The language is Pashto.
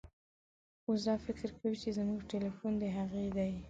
وزه فکر کوي چې زموږ ټیلیفون د هغې دی.